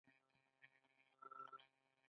هر لغت یو مسؤلیت دی.